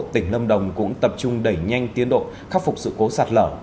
tỉnh lâm đồng cũng tập trung đẩy nhanh tiến độ khắc phục sự cố sạt lở